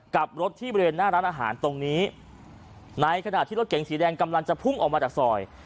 กับรถที่บริเวณหน้าร้านอาหารตรงนี้ในขณะที่รถเก๋งสีแดงกำลังจะพุ่งออกมาจากซอย